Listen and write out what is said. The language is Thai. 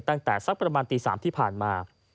ตั้งแต่สักประมาณตี๓ที่ผ่านมา